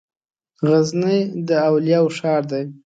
غزني د اولياوو ښار ده